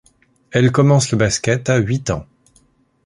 Elle commence le basket à huit ans.